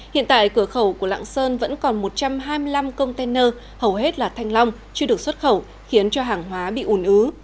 hiện tại cửa khẩu của lạng sơn vẫn còn một trăm hai mươi năm container hầu hết là thanh long chưa được xuất khẩu khiến cho hàng hóa bị ủn ứ